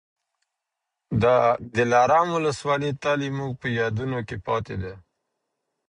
د دلارام ولسوالي تل زموږ په یادونو کي پاتې ده.